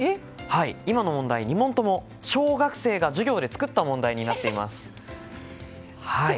今の問題、２問とも小学生が授業で作った問題となっています。